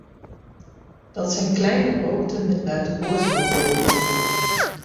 Dat zijn kleine boten met buitenboordmotoren.